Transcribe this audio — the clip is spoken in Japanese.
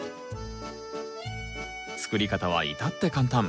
作り方は至って簡単。